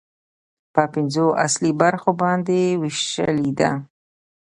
په پنځو اصلي برخو باندې ويشلې ده